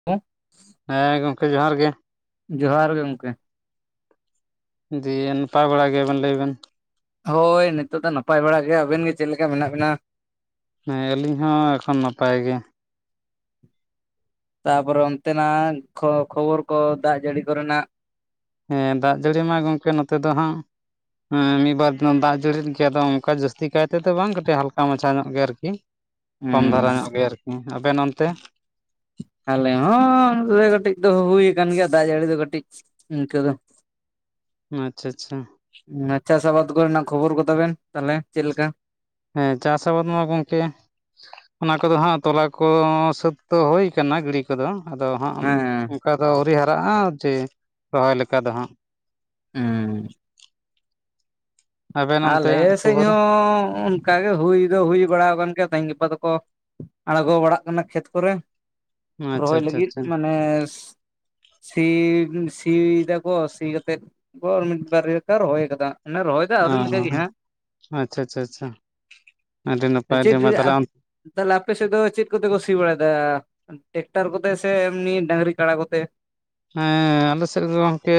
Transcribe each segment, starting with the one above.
[unintelligible] ᱦᱮᱸ ᱜᱚᱝᱠᱮ ᱡᱚᱦᱟᱨ ᱜᱮ᱾ ᱡᱚᱦᱟᱨ ᱜᱮ ᱜᱚᱝᱠᱮ᱾ ᱫᱤᱭᱮ ᱱᱟᱯᱟᱭ ᱵᱟᱲᱟ ᱜᱮᱭᱟᱵᱮᱱ ᱞᱟᱹᱭ ᱵᱮᱱ? ᱦᱳᱭ ᱱᱤᱛᱳᱜ ᱫᱚ ᱱᱟᱯᱟᱭ ᱵᱟᱲᱟ ᱜᱮ᱾ ᱟᱵᱮᱱ ᱜᱮ ᱪᱮᱫ ᱞᱮᱠᱟ ᱢᱮᱱᱟᱜ ᱵᱮᱱᱟ? ᱦᱮᱸ ᱟᱹᱞᱤᱧ ᱦᱚᱸ ᱮᱠᱷᱚᱱ ᱱᱟᱯᱟᱭ ᱜᱮ᱾ ᱛᱟᱯᱚᱨᱮ ᱚᱱᱛᱮᱱᱟᱜ ᱠᱷᱚ ᱠᱷᱚᱵᱚᱨ ᱠᱚ ᱫᱟᱜ ᱡᱟᱹᱲᱤ ᱠᱚᱨᱮᱱᱟᱜ? ᱦᱮᱸ ᱫᱟᱜ ᱡᱟᱹᱲᱤ ᱢᱟ ᱜᱟᱝᱠᱮ ᱱᱚᱛᱮ ᱫᱚ ᱦᱟᱸᱜ ᱦᱮᱸ ᱢᱤᱫ-ᱵᱟᱨ ᱫᱤᱱ ᱫᱟᱜ ᱡᱟᱹᱲᱤ ᱜᱮ, ᱟᱫᱚ ᱚᱝᱠᱟ ᱡᱟᱹᱥᱛᱤ ᱠᱟᱭ ᱛᱮᱫᱚ ᱵᱟᱝ ᱠᱟᱹᱴᱤᱡ ᱦᱟᱞᱠᱟ ᱢᱟᱪᱷᱟ ᱧᱚᱜ ᱜᱮᱭᱟ ᱟᱨᱠᱤ᱾ ᱠᱚᱢ ᱦᱮᱸ ᱫᱷᱟᱨᱮ ᱧᱚᱜ ᱜᱮ ᱟᱨᱠᱤ ᱟᱵᱮᱱ ᱚᱱᱛᱮ? ᱟᱞᱮ ᱦᱚᱸ ᱠᱟᱹᱴᱤᱡ ᱫᱚ ᱦᱩᱭᱩ ᱟᱠᱟᱱ ᱜᱮᱭᱟ ᱫᱟᱜ ᱡᱟᱹᱲᱤ ᱫᱚ ᱠᱟᱹᱴᱤᱡ ᱤᱝᱠᱟᱹ ᱫᱚ᱾ [inaudible] ᱟᱪᱪᱷᱟ ᱟᱪᱪᱷᱟ᱾ ᱩᱸᱻ ᱪᱟᱥ ᱟᱵᱟᱫ ᱠᱚᱨᱮᱱᱟᱜ ᱠᱷᱚᱵᱚᱨ ᱠᱚᱛᱟ ᱵᱮᱱ ᱛᱟᱦᱞᱮ ᱪᱮᱫᱞᱮᱠᱟ? ᱦᱮᱸ ᱪᱟᱥ ᱦᱚᱸ ᱵᱟᱹᱱᱩᱜ-ᱟ ᱜᱟᱝᱠᱮ᱾ ᱚᱱᱟ ᱠᱚᱫᱚ ᱦᱟᱸᱜ ᱛᱚᱞᱟ ᱠᱚ ᱥᱟᱹᱛ ᱫᱚ ᱦᱩᱭ ᱠᱟᱱᱟ ᱜᱤᱲᱤ ᱠᱚᱫᱚ ᱟᱫᱚ ᱦᱟᱸᱜ ᱦᱮᱸ ᱚᱝᱠᱟ ᱫᱚ ᱟᱹᱣᱨᱤ ᱦᱟᱨᱟᱜᱼᱟ ᱡᱮ ᱨᱚᱦᱚᱭ ᱞᱮᱠᱟ ᱫᱚ ᱦᱟᱸᱜ᱾ ᱦᱩᱸ ᱟᱵᱮᱱ ᱚᱱᱛᱮ ᱟᱞᱮ ᱥᱮᱡ ᱠᱷᱚᱵᱚᱨ ᱦᱚᱸ ᱚᱱᱠᱟ ᱜᱮ ᱦᱩᱭ ᱫᱚ ᱦᱩᱭ ᱵᱟᱲᱟᱣᱟᱠᱟᱱ ᱜᱮᱭᱟ ᱛᱮᱦᱮᱧ ᱜᱟᱯᱟ ᱫᱚᱠᱚ ᱟᱬᱜᱚ ᱵᱟᱲᱟᱜ ᱠᱟᱱᱟ ᱠᱷᱮᱛ ᱠᱚᱨᱮ᱾ ᱟᱪᱪᱷᱟ ᱨᱚᱦᱚᱭ ᱟᱪᱪᱷᱟ ᱞᱟᱹᱜᱤᱫ ᱟᱪᱪᱷᱟ ᱢᱟᱱᱮ ᱥᱤ, ᱥᱤᱭ ᱫᱟᱠᱚ ᱥᱤ ᱠᱟᱛᱮᱫ ᱠᱚ ᱢᱤᱫ ᱵᱟᱨ ᱞᱮᱠᱟ ᱨᱚᱦᱚᱭ ᱠᱟᱫᱟ ᱢᱟᱱᱮ ᱨᱚᱦᱚᱭ ᱫᱚ ᱟᱹᱣᱨᱤ ᱞᱮ ᱚ, ᱟᱪᱪᱷᱟ ᱟᱪᱪᱷᱟ ᱟᱪᱪᱷᱟ, ᱟᱹᱰᱤ ᱱᱟᱯᱟᱭ ᱟᱹᱰᱤ ᱢᱟ ᱛᱟᱦᱞᱮ ᱟᱢ ᱛᱟᱦᱞᱮ ᱟᱯᱮᱥᱮᱫ ᱫᱚ ᱪᱮᱫ ᱠᱚᱛᱮ ᱠᱚ ᱥᱤ ᱵᱟᱲᱟᱭᱮᱫᱟ ᱴᱮᱠᱴᱟᱨ ᱠᱚᱛᱮ ᱥᱮ ᱮᱢᱱᱤ ᱰᱟᱝᱨᱤ ᱠᱟᱲᱟ ᱠᱚᱛᱮ? ᱦᱮᱸ ᱟᱞᱮ ᱥᱮᱫ ᱫᱚ ᱜᱚᱝᱠᱮ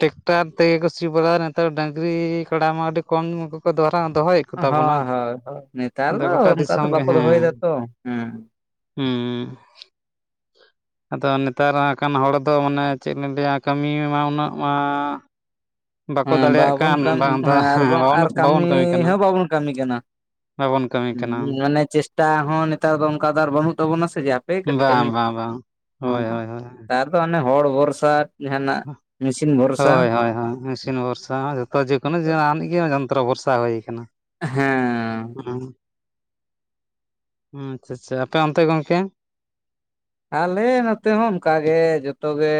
ᱴᱮᱠᱴᱟᱨ ᱛᱮᱜᱮ ᱠᱚ ᱥᱤ ᱵᱟᱲᱟᱭᱟ ᱱᱮᱛᱟᱨ ᱰᱟᱹᱝᱨᱤ ᱠᱟᱲᱟ ᱢᱟ ᱟᱹᱰᱤ ᱠᱚᱢ ᱠᱚᱠᱚ ᱫᱚᱦᱨᱟ ᱫᱚᱦᱚᱭᱮᱫ ᱠᱚᱣᱟ ᱦᱳᱭ ᱦᱳᱭ ᱱᱮᱛᱟᱨ ᱫᱚ ᱚᱱᱠᱟ ᱫᱚ ᱫᱤᱥᱚᱢ ᱵᱟᱠᱚ ᱫᱚᱦᱚᱭ ᱫᱟᱛᱚ ᱦᱩᱸ ᱦᱩᱸ, ᱟᱫᱚ ᱱᱮᱛᱟᱨ ᱦᱟᱸᱜᱠᱷᱟᱱ ᱦᱚᱲ ᱛᱚ ᱢᱟᱱᱮ ᱪᱮᱫ ᱞᱤᱧ ᱞᱟᱹᱭᱟ ᱠᱟᱹᱢᱤ ᱢᱟ ᱩᱱᱟᱹᱜ ᱢᱟ ᱵᱟᱠᱚ ᱦᱮᱸ ᱫᱟᱲᱮᱭᱟᱜ ᱵᱟᱵᱚᱱ ᱠᱟᱱ ᱠᱟᱢ ᱵᱟᱝ ᱫᱚ ᱦᱮᱸ ᱟᱨ ᱵᱚ ᱵᱟᱵᱚᱱ ᱟᱨ ᱵᱟᱵᱚᱱ ᱠᱟᱹᱢᱤ ᱠᱟᱱᱟ ᱦᱚᱸ ᱵᱟᱵᱚᱱ ᱠᱟᱹᱢᱤ ᱠᱟᱱᱟ ᱵᱟᱵᱚᱱ ᱠᱟᱹᱢᱤ ᱠᱟᱱᱟ ᱦᱩ ᱚᱱᱮ ᱪᱮᱥᱴᱟ ᱦᱚᱸ ᱱᱮᱛᱟᱨ ᱫᱚ ᱚᱱᱠᱟ ᱫᱚ ᱟᱨ ᱵᱟᱹᱱᱩᱜ ᱛᱟᱵᱚᱱᱟ ᱥᱮ ᱡᱮ ᱠᱟᱹᱴᱤᱡ ᱵᱟ ᱠᱟᱹᱢᱤ ᱵᱟ ᱵᱟ ᱵᱟ ᱦᱳᱭ ᱦᱳᱭ ᱦᱳᱭ ᱟᱵᱚᱫᱚ ᱟᱱᱮ ᱦᱚᱲ ᱵᱷᱚᱨᱥᱟ ᱡᱟᱦᱟᱱᱟᱜ ᱢᱮᱥᱤᱱ ᱵᱷᱚᱨᱥᱟ ᱦᱳᱭ ᱦᱳᱭ ᱦᱳᱭ ᱢᱤᱥᱤᱱ ᱵᱷᱚᱨᱥᱟ ᱱᱮᱛᱟᱨ ᱢᱟ ᱡᱚᱛᱚ ᱡᱮᱠᱳᱱᱳ ᱛᱚ ᱡᱟᱦᱤᱡ ᱜᱮ ᱡᱚᱱᱛᱨᱚ ᱵᱷᱚᱨᱥᱟ ᱦᱳᱭ ᱠᱟᱱᱟ ᱦᱮᱸ ᱦᱩᱜ ᱩ ᱟᱪᱷᱟ ᱟᱪᱷᱟ ᱟᱯᱮ ᱚᱱᱛᱮ ᱜᱚᱝᱠᱮ ᱟᱞᱮ ᱱᱚᱛᱮ ᱦᱚᱸ ᱚᱱᱠᱟ ᱜᱮ ᱡᱚᱛᱚᱜ ᱜᱮ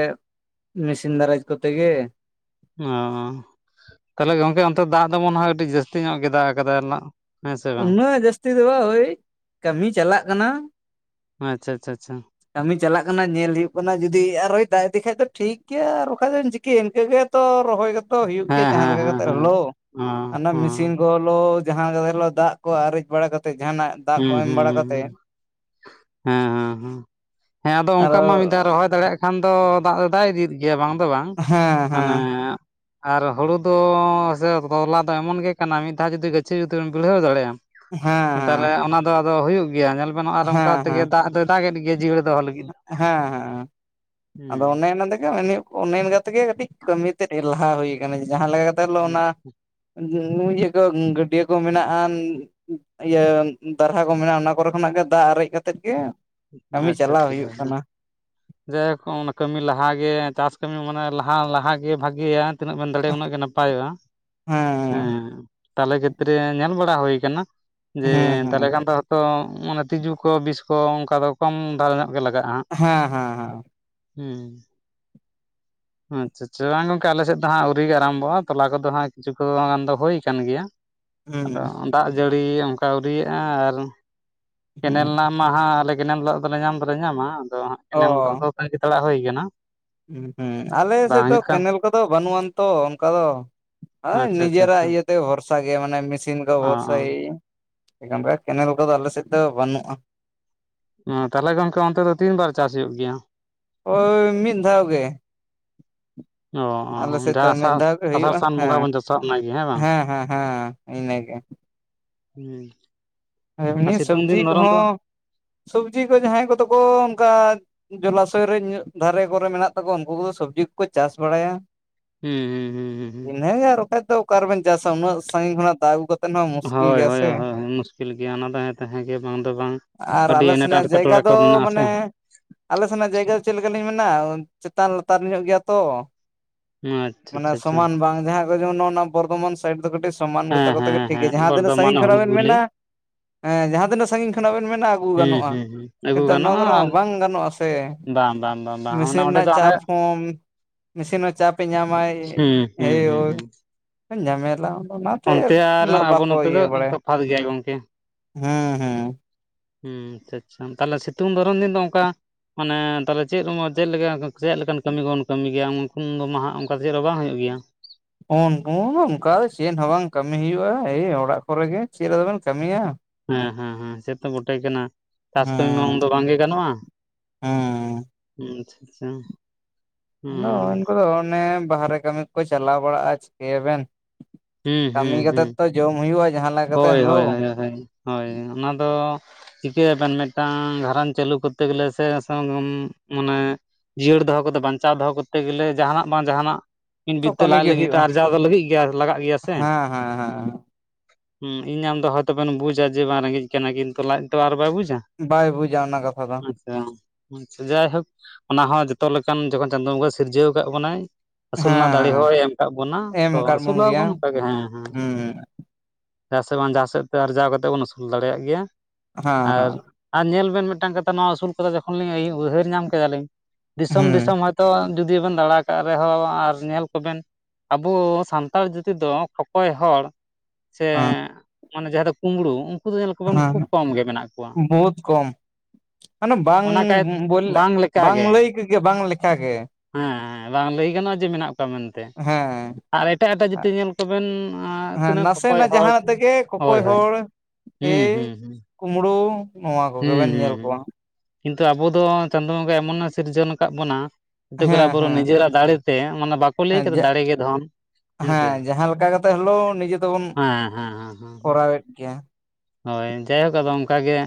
ᱢᱮᱥᱤᱱ ᱫᱟᱨᱟᱡᱽ ᱠᱚᱛᱮ ᱜᱮ ᱚ ᱛᱟᱦᱚᱞᱮ ᱜᱚᱝᱠᱮ ᱚᱱᱛᱮ ᱫᱟᱜ ᱫᱚ ᱢᱳᱱᱮ ᱦᱚᱣ ᱟᱹᱰᱤ ᱡᱟᱹᱥᱛᱤ ᱧᱚᱜ ᱜᱮ ᱫᱟᱜ ᱠᱟᱫᱟᱭ ᱱᱟᱜ ᱦᱮᱸ ᱥᱮ ᱵᱟᱝ ᱩᱱᱟᱹᱜ ᱡᱟᱹᱥᱛᱤ ᱫᱚ ᱵᱟᱝ ᱦᱚᱭ ᱠᱟᱹᱢᱤ ᱪᱟᱞᱟᱜ ᱠᱟᱱᱟ ᱾ ᱟᱪᱪᱷᱟ ᱟᱪᱪᱷᱟ ᱟᱪᱪᱷᱟ ᱠᱟᱹᱢᱤ ᱪᱟᱞᱟᱜ ᱠᱟᱱᱟ ᱧᱮᱞ ᱦᱩᱭᱩᱜ ᱠᱟᱱᱟ ᱡᱩᱫᱤ ᱟᱨᱚᱭ ᱫᱟᱜ ᱤᱫᱤ ᱠᱷᱟᱡ ᱫᱚ ᱴᱷᱤᱠ ᱜᱮᱭᱟ ᱟᱨ ᱵᱟᱠᱷᱟᱡ ᱫᱚᱢ ᱪᱤᱠᱟᱹᱭᱟ ᱤᱱᱠᱟᱹᱜᱮ ᱛᱚ ᱨᱚᱦᱚᱭ ᱜᱮᱛ ᱛᱚ ᱦᱩᱭᱩᱜ ᱜᱮᱭᱟ ᱦᱮᱸ ᱡᱟᱦᱟᱸ ᱦᱮᱸ ᱞᱮᱠᱟ ᱦᱮᱸ ᱠᱟᱛᱮᱜ ᱦᱮᱸ ᱦᱳᱞᱳ ᱦᱚᱸ ᱚᱱᱟ ᱦᱚᱸ ᱢᱮᱥᱤᱱ ᱠᱚ ᱦᱳᱞᱳ ᱡᱟᱦᱟᱸ ᱠᱟᱛᱮ ᱦᱳᱞᱳ ᱫᱟᱜ ᱠᱚ ᱟᱨᱮᱡ ᱵᱟᱲᱟ ᱠᱟᱛᱮ ᱡᱟᱦᱟᱱᱟᱜ ᱫᱟᱜ ᱠᱚ ᱦᱩᱸ ᱮᱢ ᱦᱩᱸ ᱵᱟᱲᱟ ᱦᱩᱸ ᱠᱟᱛᱮᱫ ᱦᱮᱸ ᱦᱮᱸ ᱦᱮᱸ ᱟᱫᱚ ᱚᱱᱠᱟ ᱟᱨᱚ ᱢᱟ ᱢᱤᱫ ᱫᱷᱟᱣ ᱨᱚᱦᱚᱭ ᱫᱟᱲᱮᱭᱟᱜ ᱠᱷᱟᱱ ᱫᱚ ᱫᱟᱜ ᱫᱚ ᱫᱟᱜ ᱤᱫᱤᱭᱮᱫ ᱜᱮᱭᱟ ᱵᱟᱝ ᱫᱚ ᱵᱟᱝ ᱦᱮᱸ ᱢᱟᱱᱮ ᱦᱮᱸ ᱟᱨ ᱦᱳᱲᱳ ᱫᱚ ᱥᱮ ᱛᱚᱞᱟ ᱫᱚ ᱮᱢᱚᱱ ᱜᱮ ᱠᱟᱱᱟ ᱢᱤᱫ ᱫᱷᱟᱣ ᱡᱩᱫᱤ ᱜᱟᱹᱪᱷᱤ ᱡᱩᱫᱤᱢ ᱵᱤᱲᱦᱟᱹᱣ ᱫᱟᱲᱮᱜ ᱟᱢ ᱦᱮᱸ ᱛᱟᱞᱮ ᱚᱱᱟ ᱫᱚ ᱟᱫᱚ ᱦᱩᱭᱩᱜ ᱜᱮᱭᱟ ᱧᱮᱞ ᱵᱮᱱ ᱟᱨ ᱦᱮᱸ ᱚᱱᱠᱟ ᱦᱮᱸ ᱛᱮᱜᱮ ᱫᱟᱜ ᱫᱚᱭ ᱫᱟᱜ ᱮᱫ ᱜᱮᱭᱟ ᱡᱤᱭᱟᱹᱲ ᱫᱚᱦᱚ ᱞᱟᱹᱜᱤᱫ ᱫᱚ᱾ ᱦᱮᱸ ᱦᱮᱸ ᱟᱫᱚ ᱚᱱᱮ ᱚᱱᱟ ᱛᱮᱜᱮ ᱢᱮᱱ ᱦᱳᱭᱳᱜ ᱾ ᱚᱱᱮ ᱤᱱᱠᱟ ᱛᱮᱜᱮ ᱠᱟᱹᱴᱤᱡ ᱠᱟᱹᱢᱤ ᱛᱮᱫ ᱞᱟᱦᱟ ᱦᱩᱭ ᱠᱟᱱᱟ ᱡᱟᱦᱟᱸ ᱞᱮᱠᱟ ᱠᱟᱛᱮᱜ ᱦᱳᱞᱳ ᱚᱱᱟ ᱦᱩᱸ ᱤᱭᱟᱹ ᱠᱚ ᱜᱟᱹᱰᱭᱟᱹ ᱠᱚ ᱢᱮᱱᱟᱜ ᱟᱱ ᱤᱭᱟᱹ ᱫᱟᱨᱦᱟ ᱠᱚ ᱢᱮᱱᱟᱜᱼᱟ ᱚᱱᱟ ᱠᱚᱨᱮ ᱠᱷᱚᱱᱟᱜ ᱜᱮ ᱫᱟᱜ ᱟᱨᱮᱡ ᱠᱟᱛᱮᱫ ᱜᱮ ᱠᱟᱹᱢᱤ ᱟᱪᱪᱷᱟ ᱪᱟᱞᱟᱣ ᱪᱷᱟ ᱡᱟ ᱦᱩᱭᱩᱜ ᱜᱮ ᱠᱟᱱᱟ ᱡᱟᱭᱦᱳᱠ ᱠᱟᱹᱢᱤ ᱞᱟᱦᱟᱜᱮ ᱪᱟᱥ ᱠᱟᱹᱢᱤ ᱢᱟᱱᱮ ᱞᱟᱦᱟ ᱞᱟᱦᱟᱜᱮ ᱵᱷᱟᱜᱮᱭᱟ ᱛᱤᱱᱟᱹᱜ ᱵᱮᱱ ᱫᱟᱲᱮᱭᱟᱜᱼᱟ ᱩᱱᱟᱹᱜ ᱜᱮ ᱱᱟᱯᱟᱭᱚᱜᱼᱟ ᱦᱩᱸ ᱦᱮᱸ ᱛᱟᱞᱮ ᱠᱷᱮᱛᱨᱮ ᱧᱮᱞ ᱵᱟᱲᱟ ᱦᱩᱭᱠᱟᱱᱟ ᱦᱮᱸ ᱡᱮ ᱛᱟᱦᱚᱞᱮ ᱦᱮᱸ ᱠᱷᱟᱱ ᱫᱚ ᱠᱚ ᱢᱟᱱᱮ ᱛᱤᱡᱩ ᱠᱚ ᱵᱤᱥᱠᱚ ᱚᱱᱠᱟ ᱫᱚ ᱠᱚᱢ ᱫᱷᱟᱨᱟ ᱧᱚᱜ ᱜᱮ ᱞᱟᱜᱟᱜᱼᱟ ᱦᱮᱸ ᱦᱮᱸ ᱦᱮᱸ ᱦᱩᱸ ᱟᱪᱪᱷᱟ ᱟᱪᱪᱷᱟ ᱵᱟᱝ ᱜᱚᱝᱠᱮ ᱟᱞᱮ ᱥᱮᱫ ᱫᱚ ᱦᱟᱸᱜ ᱟᱹᱣᱨᱤ ᱜᱮ ᱟᱨᱟᱢᱵᱷᱚᱜᱼᱟ ᱛᱚᱞᱟ ᱠᱚᱫᱚ ᱦᱟᱸᱜ ᱠᱤᱪᱷᱩ ᱜᱟᱱ ᱫᱚ ᱦᱳᱭ ᱠᱟᱱ ᱜᱮᱭᱟ ᱦᱮᱸ ᱦᱮᱸ ᱟᱫᱚ ᱦᱩᱸ ᱫᱟᱜ ᱡᱟᱹᱲᱤ ᱚᱱᱠᱟ ᱟᱹᱣᱨᱤᱭᱟᱜᱼᱟ ᱟᱨ ᱦᱩᱸ ᱠᱮᱱᱮᱞ ᱨᱮᱱᱟᱜ ᱢᱟ ᱦᱟᱸᱜ ᱟᱞᱮ ᱠᱮᱱᱮᱞ ᱫᱟᱜ ᱫᱚᱞᱮ ᱧᱟᱢ ᱫᱚᱞᱮ ᱧᱟᱢᱟ ᱟᱫᱚ ᱦᱟᱸᱜ ᱚ ᱠᱮᱱᱮᱞ ᱫᱟᱜ ᱫᱚ ᱛᱟᱺᱜᱤ ᱛᱟᱲᱟᱜ ᱦᱳᱭ ᱠᱟᱱᱟ ᱦᱩᱸ ᱟᱞᱮ ᱵᱟᱝ ᱥᱮᱫ ᱫᱚ ᱦᱩᱭᱩᱜ ᱠᱟᱱ ᱠᱮᱱᱮᱞ ᱠᱚᱫᱚ ᱵᱟᱹᱱᱩᱜ ᱟᱱ ᱛᱚ ᱚᱱᱠᱟ ᱫᱚ ᱦᱚᱭ ᱟᱪᱪᱷᱟ ᱟᱪᱪᱷᱟ ᱱᱤᱡᱮᱨᱟᱜ ᱟᱪᱪᱷᱟ ᱤᱭᱟᱹ ᱛᱮ ᱵᱷᱚᱨᱥᱟ ᱜᱮ ᱢᱟᱱᱮ ᱢᱮᱥᱤᱱ ᱠᱚ ᱚ ᱵᱷᱚᱨᱥᱟ ᱚ ᱮᱭ [unintelligible] ᱠᱮᱱᱮᱞ ᱠᱚᱫᱚ ᱟᱞᱮ ᱥᱮᱫ ᱫᱚ ᱵᱟᱹᱱᱩᱜᱼᱟ ᱦᱚᱸ ᱛᱟᱦᱞᱮ ᱜᱚᱝᱠᱮ ᱚᱱᱛᱮ ᱫᱚ ᱛᱤᱱᱵᱟᱨ ᱪᱟᱥ ᱦᱩᱭᱩᱜ ᱜᱮᱭᱟ ᱳᱭ ᱢᱤᱫ ᱫᱷᱟᱣ ᱜᱮ ᱾ ᱚ ᱟᱞᱮ ᱥᱮᱫ ᱫᱚ ᱡᱟᱦᱟᱸ ᱢᱤᱫ ᱟᱥᱟᱲ ᱫᱷᱟᱣ ᱜᱮ ᱟᱥᱟᱲ ᱦᱩᱭᱩᱜᱼᱟ ᱥᱟᱱ ᱵᱚᱸᱜᱟ ᱦᱮᱸ ᱵᱚᱱ ᱪᱟᱥᱟ ᱚᱱᱟᱜᱮ ᱵᱟᱝ? ᱦᱮᱸ ᱦᱮᱸ ᱦᱮᱸ ᱤᱱᱟᱹ ᱜᱮ ᱦᱩᱸ ᱟᱨ ᱮᱢᱱᱤ ᱥᱤᱛᱩᱝ ᱥᱚᱵᱽᱡᱤ ᱫᱤᱱ ᱫᱷᱚᱨᱚᱱ ᱫᱚ ᱠᱚᱦᱚᱸ ᱥᱚᱵᱡᱤ ᱠᱚ ᱡᱟᱦᱟᱸᱭ ᱠᱚᱫᱚ ᱠᱚ ᱚᱱᱠᱟ ᱡᱚᱞᱟᱥᱚᱭ ᱨᱮ ᱧᱚᱜ ᱫᱷᱟᱨᱮ ᱠᱚᱨᱮ ᱢᱮᱱᱟᱜ ᱛᱟᱠᱚᱣᱟ ᱩᱱᱠᱩ ᱠᱚᱫᱚ ᱥᱚᱵᱽᱡᱤ ᱠᱚᱠᱚ ᱪᱟᱥ ᱵᱟᱲᱟᱭᱟ ᱦᱩᱸ ᱦᱩᱸ ᱦᱩᱸ ᱤᱱᱟᱹᱜᱮ ᱟᱨ ᱵᱟᱠᱷᱟᱡ ᱫᱚ ᱚᱠᱟ ᱨᱮᱵᱮᱱ ᱪᱟᱥᱟ ᱩᱱᱟᱹᱜ ᱥᱟᱺᱜᱤᱧ ᱠᱷᱚᱱᱟᱜ ᱫᱟᱜ ᱟᱹᱜᱩ ᱠᱟᱛᱮ ᱦᱚᱭ ᱦᱚᱭ ᱦᱚᱭ ᱢᱩᱥᱠᱤᱞ ᱜᱮᱭᱟ ᱚᱱᱟ ᱫᱚ ᱦᱮᱸ ᱛᱚ ᱦᱮᱸ ᱜᱮ ᱾ ᱵᱟᱝ ᱫᱚ ᱵᱟᱝ ᱟᱨ ᱟᱹᱰᱤ ᱟᱞᱮ ᱮᱱᱮᱴ ᱥᱮᱱᱟᱜ ᱡᱟᱭᱜᱟ ᱮᱴᱠᱮᱴᱚᱲᱮ ᱠᱚ ᱫᱚ ᱢᱮᱱᱟᱜ ᱟᱥᱮ ᱢᱟᱱᱮ ᱾ ᱟᱞᱮ ᱥᱮᱱᱟᱜ ᱡᱟᱭᱜᱟ ᱫᱚ ᱪᱮᱫ ᱞᱮᱠᱟᱞᱤᱧ ᱢᱮᱱᱟ ᱪᱮᱛᱟᱱ ᱞᱟᱛᱟᱨ ᱧᱚᱜ ᱜᱮᱭᱟ ᱛᱚ, ᱟᱪᱪᱷᱟ ᱢᱟᱱᱮ ᱟᱪᱪᱷᱟ ᱟᱪᱪᱷᱟ ᱥᱚᱢᱟᱱ ᱵᱟᱝ ᱡᱟᱦᱟᱸ ᱠᱚ ᱡᱮᱢᱚᱱ ᱵᱚᱨᱫᱷᱚᱢᱟᱱ ᱥᱟᱭᱤᱰ ᱫᱚ ᱠᱟᱹᱴᱤᱡ ᱥᱚᱢᱟᱱ ᱜᱮ ᱛᱟᱠᱚᱛᱮ ᱦᱮᱸ ᱜᱮ ᱦᱮᱸ ᱴᱷᱤᱠ ᱜᱮᱭᱟ ᱦᱮᱸ ᱡᱟᱦᱟᱸ ᱛᱤᱱᱟᱹᱜ ᱵᱚᱨᱫᱷᱚᱢᱟᱱ ᱥᱟᱺᱜᱤᱧ ᱠᱷᱚᱱᱟᱜ ᱵᱮᱱ ᱦᱩᱞᱜᱩᱞᱤ ᱢᱮᱱᱟ ᱦᱮᱸ ᱡᱟᱦᱟᱸ ᱛᱤᱱᱟᱹᱜ ᱥᱟᱺᱜᱤᱧ ᱠᱷᱚᱱᱟᱜ ᱵᱮᱱ ᱢᱮᱟ ᱟᱹᱜᱩ ᱦᱩᱸ ᱜᱟᱱᱚᱜᱼᱟ, ᱦᱩᱸ ᱦᱩᱸ ᱟᱹᱜᱩ ᱱᱮᱛᱟᱨ ᱱᱚᱣᱚ ᱜᱟᱱᱚᱜᱼᱟ ᱠᱚᱨᱮ ᱢᱟ ᱟᱢ ᱵᱟᱝ ᱜᱟᱱᱚᱜᱼᱟ ᱥᱮ᱾ ᱵᱟᱝ ᱵᱟᱝ ᱵᱟᱝ ᱵᱟᱝ ᱢᱮᱥᱤᱱ ᱦᱩᱱᱟᱜ ᱚᱸᱰᱮ ᱨᱮᱱᱟᱜ ᱫᱚ ᱟᱱᱮ ᱪᱟᱯ ᱦᱚᱸ ᱢᱤᱥᱤᱱ ᱦᱚᱸ ᱪᱟᱯᱮ ᱧᱟᱢᱟᱭ ᱦᱩᱸ ᱦᱩᱸ ᱦᱩᱸ ᱮᱭᱳᱭ ᱦᱩᱸ ᱡᱷᱟᱢᱮᱞᱟ ᱚᱱᱟᱛᱮ ᱚᱱᱛᱮ ᱟᱨ ᱩᱱᱟᱹᱜ ᱟᱵᱚ ᱵᱟᱠᱚ ᱱᱚᱛᱮ ᱫᱚ ᱛᱚᱯᱷᱟᱛ ᱜᱮᱭᱟ ᱜᱚᱝᱠᱮ ᱾ ᱦᱮᱸ ᱦᱮᱸ ᱦᱩᱸ ᱟᱪᱪᱷᱟ ᱟᱪᱪᱷᱟ ᱛᱟᱦᱚᱞᱮ ᱥᱤᱛᱩᱝ ᱫᱷᱚᱨᱚᱱ ᱫᱤᱱ ᱫᱚ ᱚᱱᱠᱟ ᱢᱟᱱᱮ ᱛᱟᱦᱚᱞᱮ ᱪᱮᱫ ᱩᱢᱚᱨ ᱪᱮᱫ ᱞᱮᱠᱟ ᱪᱮᱫ ᱞᱮᱠᱟᱱ ᱠᱟᱹᱢᱤ ᱠᱚᱵᱚᱱ ᱠᱟᱹᱢᱤ ᱜᱮᱭᱟ ᱩᱱᱠᱩ ᱫᱚ ᱢᱟ ᱦᱟᱜ ᱚᱱᱠᱟ ᱪᱮᱫᱦᱚᱸ ᱵᱟᱝ ᱦᱩᱭᱩᱜ ᱜᱮᱭᱟ᱾ ᱩᱱᱠᱩ ᱚᱱᱠᱟ ᱫᱚ ᱪᱮᱫ ᱦᱚᱸ ᱵᱟᱝ ᱠᱟᱹᱢᱤ ᱦᱩᱭᱩᱜᱼᱟ, ᱮᱭ ᱚᱲᱟᱜ ᱠᱚᱨᱮ ᱜᱮ ᱪᱮᱫ ᱟᱫᱚᱵᱮᱱ ᱠᱟᱹᱢᱤᱭᱟ᱾ ᱦᱮᱸ ᱦᱮᱸ ᱦᱮᱸ ᱥᱮᱛᱚ ᱵᱩᱴᱮ ᱠᱟᱱᱟ ᱪᱟᱥ ᱠᱟᱹᱢᱤ ᱢᱟ ᱦᱩᱸ ᱩᱱᱫᱚ ᱵᱟᱝᱜᱮ ᱜᱟᱱᱚᱜᱼᱟ, ᱦᱩᱸ ᱦᱩᱸ [unintelligible] ᱟᱫᱚ ᱩᱱᱠᱩ ᱫᱚ ᱚᱱᱮ ᱵᱟᱦᱨᱮ ᱠᱟᱹᱢᱤ ᱠᱚᱠᱚ ᱪᱟᱞᱟᱣ ᱵᱟᱲᱟᱜᱼᱟ ᱪᱤᱠᱟᱹᱭᱟᱵᱱ ᱦᱩᱸ ᱠᱟᱹᱢᱤ ᱦᱩᱸ ᱠᱟᱛᱮᱜ ᱛᱚ ᱡᱚᱢ ᱦᱩᱭᱩᱜᱼᱟ ᱡᱟᱦᱟᱸ ᱠᱟᱛᱮ ᱦᱳᱭ ᱦᱮᱞᱳ᱾ [unintelligible] ᱦᱳᱭ ᱚᱱᱟ ᱫᱚ ᱪᱤᱠᱟᱹᱭᱟᱵᱱ ᱢᱤᱫᱴᱟᱝ ᱜᱷᱟᱨᱚᱸᱡᱽ ᱪᱟᱹᱞᱩ ᱠᱚᱨᱛᱮ ᱜᱮᱞᱮ ᱥᱮ ᱢᱟᱱᱮ ᱡᱤᱭᱟᱹᱲ ᱫᱚᱦᱚ ᱠᱚᱫᱚ ᱵᱟᱧᱪᱟᱣ ᱫᱚᱦᱚ ᱠᱚ ᱠᱟᱛᱮ ᱜᱮᱞᱮ ᱡᱟᱦᱟᱱᱟᱜ ᱵᱟᱝ ᱡᱟᱦᱟᱱᱟᱜ ᱢᱤᱫ ᱛᱚ ᱵᱤᱛᱟᱹ ᱠᱟᱹᱢᱤ ᱞᱟᱡ ᱜᱮ ᱞᱟᱹᱜᱤᱫ ᱛᱮ ᱦᱩᱭᱩᱜᱼᱟ ᱟᱨᱡᱟᱣ ᱫᱚ ᱞᱟᱹᱜᱤᱫ ᱜᱮᱭᱟ ᱞᱟᱜᱟᱜ ᱜᱮᱭᱟ ᱥᱮ᱾ ᱦᱮᱸ ᱦᱮᱸ ᱦᱮᱸ ᱦᱩᱸ ᱤᱧ ᱟᱢ ᱫᱚ ᱦᱚᱭᱛᱚᱵᱱ ᱵᱩᱡᱟ ᱡᱮ ᱵᱟᱝ ᱨᱮᱸᱜᱮᱡ ᱠᱟᱱᱟ ᱠᱤᱱᱛᱩ ᱞᱟᱡ ᱫᱚ ᱟᱨ ᱵᱟᱭ ᱵᱩᱡᱟ, ᱵᱟᱭ ᱵᱩᱡᱟ ᱚᱱᱟ ᱠᱟᱛᱷᱟ ᱫᱚ᱾ ᱟᱪᱪᱷᱟ ᱟᱪᱷᱟ ᱡᱟᱭᱦᱳᱠ ᱚᱱᱟ ᱦᱚᱸ ᱡᱚᱛᱚ ᱞᱮᱠᱟᱱ ᱡᱚᱠᱷᱚᱱ ᱪᱟᱸᱫᱳ ᱵᱚᱸᱜᱟ ᱥᱤᱨᱡᱟᱹᱣ ᱟᱠᱟᱫ ᱵᱚᱱᱟᱭ ᱦᱮᱸ ᱟᱹᱥᱩᱞ ᱨᱮᱱᱟᱜ ᱫᱟᱲᱮ ᱦᱮᱸ ᱦᱚᱸᱭ ᱮᱢ ᱟᱠᱟᱫ ᱵᱚᱱᱟ ᱮᱢ ᱛᱚ ᱟᱠᱟᱫ ᱵᱚᱱ ᱜᱮᱭᱟ ᱟᱹᱥᱩᱞᱚᱜᱵᱚᱱ ᱦᱩᱸ ᱚᱱᱠᱟᱜᱮ ᱦᱮᱸ ᱦᱮᱸ᱾ ᱡᱟᱦᱟ ᱥᱮᱜ ᱵᱟᱝ ᱡᱟᱦᱟᱸ ᱥᱮᱫ ᱛᱮ ᱟᱨᱡᱟᱣ ᱠᱟᱛᱮ ᱵᱚᱱ ᱟᱹᱥᱩᱞ ᱫᱟᱲᱮᱭᱟᱜ ᱜᱮᱭᱟ, ᱟᱨ ᱦᱮᱸ ᱟᱨ ᱧᱮᱞ ᱵᱮᱱ ᱢᱤᱫᱴᱟᱝ ᱠᱟᱛᱷᱟ ᱱᱚᱣᱟ ᱟᱹᱥᱩᱞ ᱠᱟᱛ ᱡᱚᱠᱷᱚᱱ ᱞᱤᱧ ᱩᱭᱦᱟᱹᱨ ᱧᱟᱢ ᱠᱮᱫᱟᱞᱤᱧ ᱫᱤᱥᱚᱢ ᱦᱩᱸ ᱫᱤᱥᱚᱢ ᱦᱚᱭᱛᱚ ᱡᱩᱫᱤᱵᱮᱱ ᱫᱟᱲᱟ ᱟᱠᱟᱫ ᱨᱮᱦᱚᱸ ᱟᱨ ᱧᱮᱞ ᱠᱚᱵᱮᱱ ᱟᱵᱚ ᱥᱟᱱᱛᱟᱲ ᱡᱩᱫᱤ ᱫᱚ ᱠᱚᱠᱚᱭ ᱦᱚᱲ ᱥᱮ ᱢᱟᱱᱮ ᱡᱟᱦᱟᱸ ᱫᱚ ᱠᱩᱸᱵᱽᱲᱩ, ᱦᱮᱸ ᱦᱮᱸ ᱵᱚᱦᱩᱛ ᱠᱚᱢ, ᱦᱟᱱᱮ ᱵᱟᱝ ᱚᱱᱟ ᱠᱟᱭ ᱵᱚᱞ ᱵᱟᱝ ᱞᱟᱹᱭ ᱜᱮ ᱵᱟᱝ ᱞᱮᱠᱷᱟᱟᱜᱮ, ᱦᱮᱸ ᱦᱮ ᱵᱟᱝ ᱞᱟᱹᱭ ᱜᱟᱱᱚᱜᱼᱟ ᱡᱮ ᱢᱮᱱᱟᱜ ᱠᱚᱣᱟ ᱢᱮᱱᱛᱮ᱾ ᱦᱮᱸ, ᱟᱨ ᱮᱴᱟᱜ ᱮᱴᱟᱜ ᱡᱟᱹᱛᱤ ᱧᱮᱞ ᱠᱚᱵᱮᱱ ᱦᱮᱸ ᱛᱤᱱᱟᱹᱜ ᱠᱷᱠᱚᱭ ᱱᱟᱥᱮᱱᱟᱜ ᱦᱚᱲ ᱡᱟᱦᱟᱸᱱᱟᱜ ᱛᱮᱜᱮ ᱦᱳᱭ ᱠᱚᱠᱚᱭ ᱦᱳᱭ, ᱦᱩᱸ ᱦᱩᱸ ᱦᱩᱸ᱾ ᱠᱩᱢᱲᱩ ᱦᱩᱸ ᱦᱩᱸ ᱠᱤᱱᱛᱩ ᱟᱵᱚ ᱫᱚ ᱪᱟᱸᱫᱳ ᱵᱚᱸᱜᱟ ᱮᱢᱚᱱᱮ ᱥᱤᱨᱡᱚᱱ ᱟᱠᱟᱫ ᱵᱚᱱᱟ ᱟᱛᱩ ᱠᱚᱨᱮ ᱦᱮᱸ ᱵᱩᱨᱩ ᱦᱮᱸ ᱱᱤᱡᱮᱨᱟᱜ ᱫᱟᱲᱮᱛᱮ ᱢᱟᱱᱮ ᱵᱟᱠᱚ ᱞᱟᱹᱭ ᱠᱮᱫᱟ ᱫᱟᱲᱮᱜ ᱜᱮ ᱫᱷᱚᱱ ᱦᱮᱸᱥᱮ ᱦᱮᱸ ᱡᱟᱦᱟᱸ ᱞᱮᱠᱟ ᱠᱟᱛᱮᱜ ᱦᱚᱞᱳ ᱱᱤᱡᱮ ᱛᱮᱵᱚᱱ ᱦᱮᱸ ᱦᱮᱸ ᱦᱮᱸ ᱦᱮᱸ ᱠᱚᱨᱟᱣᱮᱫ ᱜᱮᱭᱟ᱾ ᱦᱳᱭ ᱡᱟᱭᱦᱳᱠ ᱟᱫᱚ ᱚᱱᱠᱟᱜᱮ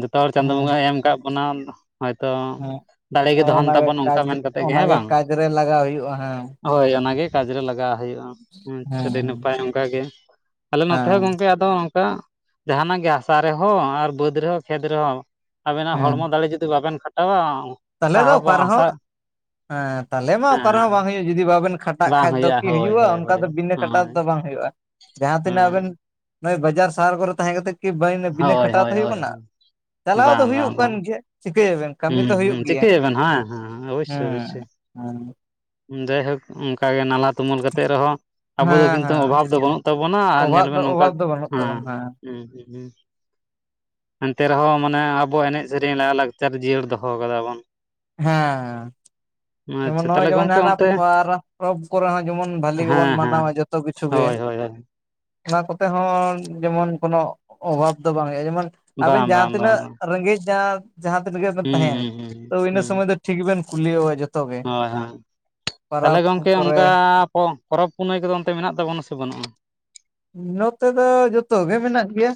ᱡᱷᱚᱛᱚ ᱦᱚᱲ ᱪᱟᱸᱫᱳ ᱵᱚᱸᱜ ᱦᱮᱸ ᱮᱢ ᱟᱠᱟᱫ ᱵᱚᱱᱟ᱾ ᱦᱳᱭᱛᱚ ᱦᱮᱸ ᱫᱟᱲᱮᱜ ᱜᱮ ᱫᱚᱦᱚᱱ ᱚᱱᱟᱜᱮ ᱛᱟᱵᱚᱱ ᱚᱱᱠᱟ ᱠᱟᱡᱽ ᱢᱮᱱ ᱠᱟᱛᱮᱜ ᱜᱮ ᱦᱮᱸ ᱚᱱᱟᱜᱮ ᱵᱟᱝ? ᱠᱟᱡᱽ ᱨᱮ ᱞᱟᱜᱟᱣ ᱦᱩᱭᱩᱜᱼᱟ ᱦᱮᱸ ᱦᱳᱭ ᱚᱱᱟᱜᱮ ᱠᱟᱡᱽ ᱨᱮ ᱞᱟᱜᱟᱣ ᱦᱩᱭᱩᱜᱼᱟ, ᱟᱪ ᱟᱹᱰᱤ ᱦᱮᱸ ᱱᱟᱯᱟᱭ ᱚᱱᱠᱟᱜ ᱜᱮ ᱟᱞᱮ ᱱᱚᱛᱮ ᱦᱮᱸ ᱦᱚᱸ ᱜᱚᱝᱠᱮ ᱟᱫᱚ ᱱᱚᱝᱠᱟ ᱡᱟᱦᱟᱱᱟᱜ ᱜᱮ ᱦᱟᱥᱟ ᱨᱮᱦᱚᱸ ᱟᱨ ᱵᱟᱹᱫ ᱨᱮᱦᱚᱸ ᱠᱷᱮᱛ ᱨᱮᱦᱚᱸ ᱟᱵᱤᱱᱟᱜ ᱦᱮᱸ ᱦᱚᱲᱢᱚ ᱫᱟᱲᱮ ᱡᱩᱫᱤ ᱵᱟᱵᱮᱱ ᱠᱷᱟ ᱴᱟᱣᱟ ᱚᱸ ᱛᱟᱦᱚᱞᱮ ᱫᱚ ᱚᱠᱟ ᱨᱮᱦᱚᱸ, ᱛᱟᱦᱚᱞᱮ ᱢᱟ ᱚᱠᱟ ᱨᱮᱦᱚᱸ ᱦᱮᱸ ᱵᱟᱝ ᱦᱩᱭᱩᱜᱼᱟ ᱡᱩᱫᱤ ᱵᱟᱵᱮᱱ ᱠᱷᱟᱴᱟᱜ ᱵᱟᱝ ᱠᱷᱟᱡ ᱫᱚ ᱠᱤ ᱦᱳᱭ ᱦᱩᱭᱩᱜᱼᱟ, ᱦᱳᱭ ᱚᱱᱠᱟ ᱦᱳᱭ ᱫᱚ ᱵᱤᱱᱟᱹ ᱠᱷᱟᱴᱟᱣ ᱦᱳᱭ ᱫᱚ ᱵᱟᱝ ᱦᱩᱭᱩᱜᱼᱟ᱾ ᱡᱟᱦᱟᱸ ᱛᱤᱱᱟᱹᱜ ᱦᱮᱸ ᱟᱵᱮᱱ ᱱᱚᱜᱼᱚᱭ ᱵᱟᱡᱟᱨ ᱥᱟᱦᱟᱨ ᱠᱚᱨᱮ ᱛᱟᱦᱮᱸ ᱠᱟᱛᱮᱜ ᱠᱤ ᱵᱟᱧ ᱵᱤᱱᱟᱹ ᱦᱳᱭ ᱠᱷᱟᱴᱟᱣ ᱦᱳᱭ ᱛᱮ ᱦᱩᱭᱩᱜ ᱦᱳᱭ ᱠᱟᱱᱟ? ᱪᱟᱞᱟᱣ ᱫᱚ ᱵᱟᱝ ᱵᱟᱝ ᱦᱩᱭᱩᱜ ᱵᱟᱝ ᱠᱟᱱ ᱜᱮᱭᱟ ᱪᱤᱠᱟᱹᱭᱟᱵᱱ ᱠᱟᱹᱢᱤ ᱦᱩᱸ ᱫᱚ ᱦᱩᱭᱩᱜ ᱦᱩᱸ ᱜᱮᱭᱟ ᱪᱤᱠᱟᱹᱭ ᱟᱵᱮᱱ ᱦᱮᱸ ᱦᱮᱸ ᱚᱵᱚᱥᱥᱭ ᱦᱮᱸ ᱚᱵᱚᱥᱥᱭ᱾ ᱦᱮᱸ ᱡᱟᱭᱦᱳᱠ ᱚᱱᱠ ᱜᱮ ᱱᱟᱞᱦᱟ ᱛᱩᱢᱟᱹᱞ ᱠᱟᱛᱮᱜ ᱨᱮᱦᱚᱸ ᱟᱵᱚ ᱫᱚ ᱦᱮᱸ ᱠᱤᱱᱛᱩ ᱦᱮᱸ ᱚᱵᱷᱟᱵ ᱫᱚ ᱵᱟᱹᱱᱩᱜ ᱛᱟᱵᱚᱱᱟ ᱟᱨ ᱚᱵᱷᱟᱵ ᱧᱮᱞ ᱢᱮ ᱫᱚ ᱱᱚᱝᱠᱟ ᱚᱵᱷᱟᱵ ᱫᱚ ᱵᱟᱹᱱᱩᱜ ᱦᱮᱸ ᱛᱟᱵᱚᱱᱟ ᱦᱩᱸ ᱦᱩᱸ ᱦᱩᱸ᱾ ᱮᱱᱛᱮ ᱨᱮᱦᱚᱸ ᱢᱟᱱᱮ ᱟᱵᱚ ᱮᱱᱮᱡ ᱥᱮᱨᱮᱧ ᱞᱟᱭᱼᱞᱟᱠᱪᱟᱨ ᱡᱤᱭᱟᱹᱲ ᱫᱚᱦᱚ ᱠᱟᱫᱟ ᱵᱚᱱ᱾ ᱦᱮᱸ᱾ ᱡᱮᱢᱚᱱ ᱟᱪᱪᱷᱟ ᱱᱚᱜᱼᱚᱭ ᱛᱟᱦᱚᱞᱮ ᱡᱮᱢᱚᱱ ᱜᱚᱝᱠᱮ ᱦᱱᱟᱜ ᱚᱱᱛᱮ ᱯᱚᱨᱟᱽ ᱯᱚᱨᱚᱵᱽ ᱠᱚᱨᱮ ᱦᱚᱸ ᱡᱮᱢᱚᱱ ᱵᱷᱟᱹᱞᱤ ᱜᱮᱵᱚᱱ ᱦᱮᱸ ᱦᱮᱸ ᱢᱟᱱᱟᱣᱟ ᱡᱚᱛᱚ ᱠᱤᱪᱷᱩ ᱜᱮ᱾ ᱦᱳᱭ ᱦᱳᱭ ᱦᱳᱭ ᱚᱱᱟ ᱠᱚᱛᱮ ᱦᱚᱸ ᱡᱮᱢᱚᱱ ᱠᱳᱚᱱᱚ ᱚᱵᱷᱟᱵ ᱫᱚ ᱵᱟᱝ ᱦᱩᱭᱩᱜᱼᱟ, ᱡᱮᱢᱚᱱ ᱟᱵᱮᱱ ᱵᱟᱝ ᱡᱟᱦᱟᱸ ᱵᱟᱝ ᱵᱟᱝ ᱛᱤᱱᱟᱹᱜ ᱵᱟᱝ ᱨᱮᱸᱜᱮᱡ ᱡᱟᱦᱟᱸ ᱡᱟᱦᱟᱸ ᱛᱤᱱᱟᱹᱜ ᱜᱮᱵᱱ ᱦᱩᱸ ᱛᱟᱦᱮᱱ ᱦᱩᱸ ᱦᱩᱸ ᱛᱚ, ᱤᱱᱟᱹ ᱦᱩᱸ ᱥᱚᱢᱚᱭ ᱫᱚ ᱴᱷᱤᱠ ᱜᱮᱵᱮᱱ ᱠᱩᱞᱤ ᱡᱚᱛᱚ᱾ ᱜᱮ ᱦᱳᱭ ᱦᱳᱭ, ᱛᱟᱦᱚᱞᱮ ᱯᱟᱨᱟᱵᱽ ᱜᱚᱢᱠᱮ ᱠᱚᱨᱮ ᱚᱱᱠᱟ ᱚ ᱯᱚᱨᱚᱵᱽ ᱯᱩᱱᱟᱹᱭ ᱠᱚᱫᱚ ᱚᱱᱛᱮ ᱢᱮᱱᱟᱜ ᱛᱟᱵᱚᱱᱟ ᱥᱮ ᱵᱟᱹᱱᱩᱜᱼᱟ? ᱱᱚᱛᱮ ᱫᱚ ᱡᱚᱛᱚ ᱜᱮ ᱢᱮᱱᱟᱜ ᱜᱮᱭᱟ᱾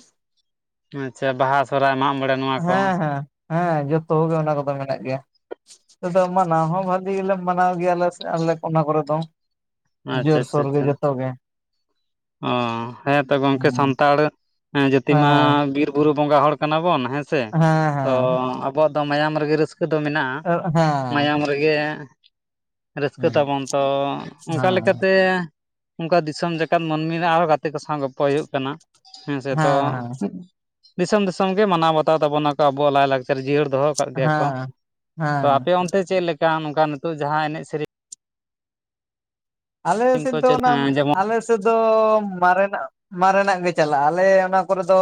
ᱟᱪᱪᱷᱟ ᱵᱟᱦᱟ ᱥᱚᱨᱦᱟᱭ ᱢᱟᱸᱜ ᱢᱚᱬᱮ ᱱᱚᱣᱟ ᱠᱚ᱾ ᱦᱮᱸ ᱦᱮᱸ ᱦᱮᱸ ᱡᱚᱛᱚ ᱜᱮ, ᱚᱱᱟ ᱠᱚᱫᱚ ᱢᱮᱱᱟᱜ ᱜᱮᱭᱟ᱾ ᱟᱫᱚ ᱢᱟᱱᱟᱣ ᱦᱚᱸ ᱵᱷᱟᱹᱜᱤ ᱞᱤ ᱜᱮᱞᱮ ᱢᱟᱱᱟᱣ ᱜᱮᱭᱟ ᱞᱮ ᱥᱮ ᱟᱞᱮ ᱚᱱᱟ ᱠᱚᱨᱮ ᱫᱚ ᱟᱪᱪᱷᱟ ᱟᱪᱪᱷᱟ ᱡᱳᱨᱥᱳᱨ ᱜᱮ ᱟᱪᱪᱷᱟ ᱡᱚᱛᱚ ᱜᱮ᱾ ᱚ ᱦᱮᱸ ᱛᱚ ᱜᱚᱢᱠᱮ ᱦᱩᱸ ᱥᱟᱱᱛᱟᱲ ᱡᱟᱹᱛᱤ ᱢᱟ ᱦᱮᱸ ᱵᱤᱨ ᱵᱩᱨᱩ ᱵᱚᱸᱜᱟ ᱦᱚᱲ ᱠᱟᱱᱟ ᱵᱚᱱ ᱦᱮᱸ᱾ ᱥᱮ ᱛᱚ ᱟᱵᱚᱣᱟᱜ ᱫᱚ ᱢᱟᱭᱟᱢ ᱨᱮᱜᱮ ᱨᱟᱹᱥᱠᱟᱹ ᱫᱚ ᱢᱮᱱᱟᱜᱼᱟ᱾ ᱦᱮᱸ ᱦᱮᱸ ᱢᱟᱭᱟᱢ ᱨᱮᱜᱮ ᱨᱟᱹᱥᱠᱟᱹ ᱛᱟᱵᱚᱱ ᱛᱚ, ᱚᱱᱠᱟ ᱦᱮᱸ ᱞᱮᱠᱟᱛᱮ ᱚᱱᱠᱟ ᱫᱤᱥᱚᱢ ᱡᱟ ᱠᱟᱱ ᱢᱟᱱᱢᱤ ᱨᱮ ᱟᱨᱦᱚᱸ ᱜᱟᱛᱮ ᱠᱚ ᱥᱟᱶ ᱜᱚᱯᱯᱚᱭ ᱦᱩᱭᱩᱜ ᱠᱟᱱᱟ ᱦᱮᱸ ᱥᱮ ᱛᱚ ᱦᱮᱸ ᱫᱤᱥᱚᱢ ᱫᱤᱥᱚᱢ ᱜᱮ ᱢᱟᱱᱟᱣ ᱵᱟᱛᱟᱣ ᱛᱟᱵᱚᱱᱟ ᱠᱚ, ᱟᱵᱚᱣᱟᱜ ᱞᱟᱭᱞᱟᱠᱪᱟᱨ ᱡᱤᱭᱟᱹᱲ ᱫᱚᱦᱚ ᱠᱟᱜ ᱜᱮᱭᱟ ᱠᱚ᱾ ᱦᱮᱸ ᱛᱚ ᱦᱮᱸ ᱟᱯᱮ ᱚᱱᱛᱮ ᱪᱮᱫ ᱞᱮᱠᱟ ᱱᱚᱝᱠᱟ ᱱᱤᱛᱚᱜ ᱡᱟᱸᱦᱟᱸ ᱮᱱᱮᱡ ᱥᱤᱨᱤᱧ ᱟᱞᱮ ᱠᱚ ᱥᱮᱫ ᱪᱟᱹᱞᱩ ᱚᱱᱟᱢ ᱡᱮᱢᱚᱱ ᱟᱞᱮᱥ ᱛᱳᱜ ᱫᱚ ᱢᱟᱨᱮᱱᱟᱜ ᱢᱟᱨᱮᱱᱟᱜ ᱜᱮ ᱪᱟᱞᱟᱜᱼᱟ, ᱟᱞᱮ ᱚᱱᱟ ᱠᱚᱨᱮ ᱫᱚ